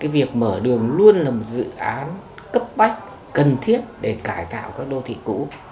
việc mở đường luôn là một dự án cấp bách cần thiết để cải tạo các đô thị cũ